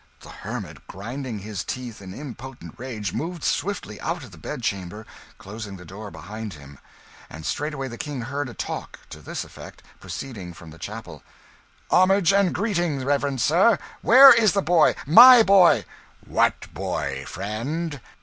The hermit, grinding his teeth in impotent rage, moved swiftly out of the bedchamber, closing the door behind him; and straightway the King heard a talk, to this effect, proceeding from the 'chapel': "Homage and greeting, reverend sir! Where is the boy my boy?" "What boy, friend?"